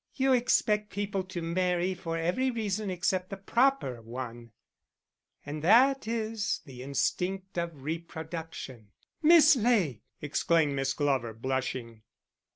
"You expect people to marry from every reason except the proper, one and that is the instinct of reproduction." "Miss Ley!" exclaimed Miss Glover, blushing.